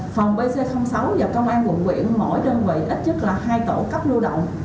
phòng wc sáu và công an quận viện mỗi đơn vị ít nhất là hai tổ cấp lưu động